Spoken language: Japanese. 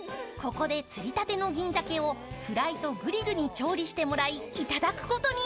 ここで釣りたての銀鮭をフライとグリルに調理してもらいいただくことに。